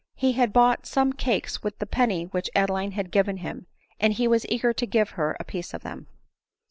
He had bought some cakes with the penny which Adeline had given him, and he was eager to give her « piece of them.